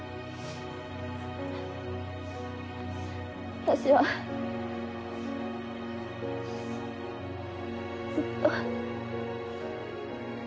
私はずっと。